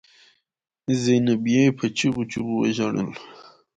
زينبې په چيغو چيغو وژړل.